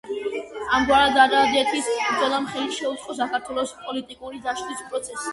ამგვარად არადეთის ბრძოლამ ხელი შეუწყო საქართველოს პოლიტიკური დაშლის პროცესს.